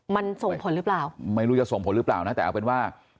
มันส่งผลหรือเปล่าไม่รู้จะส่งผลหรือเปล่านะแต่เอาเป็นว่า